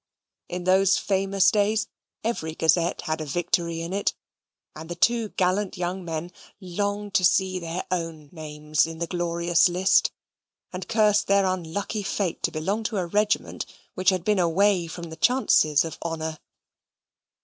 In those famous days every gazette had a victory in it, and the two gallant young men longed to see their own names in the glorious list, and cursed their unlucky fate to belong to a regiment which had been away from the chances of honour.